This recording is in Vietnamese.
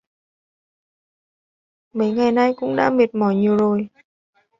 Mấy ngày nay cũng đã mệt mỏi nhiều rồi